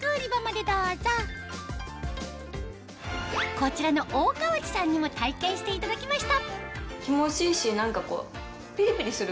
こちらの大川内さんにも体験していただきました